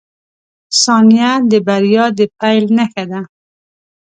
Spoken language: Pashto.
• ثانیه د بریا د پیل نښه ده.